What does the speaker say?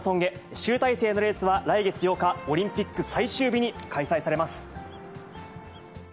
集大成のレースは来月８日、オリンピック最終日に開催されます。